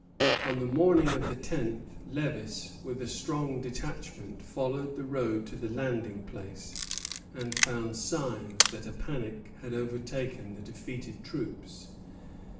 On the morning of the tenth, Lévis, with a strong detachment, followed the road to the landing place, and found signs that a panic had overtaken the defeated troops.